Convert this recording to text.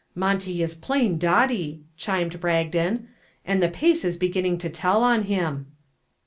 "Monty is plain dotty," chimed Bragdon, "and the pace is beginning to tell on him."